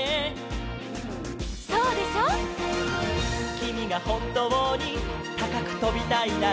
「きみがほんとうにたかくとびたいなら」